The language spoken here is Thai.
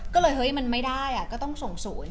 ก็เลยเฮ้ยมันไม่ได้ก็ต้องส่งศูนย์